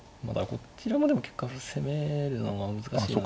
こちらもでも結局攻めるのが難しいので。